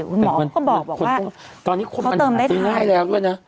คุณหมอก็บอกว่าเขาเติมได้ทั้งตอนนี้ความปัญหาซื้อง่ายแล้วด้วยนะ